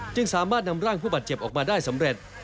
จึงสามารถนำร่างผู้บาดเจ็บออกมาได้สำเร็จ